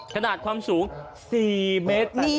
ขนาดความสูง๔เมตร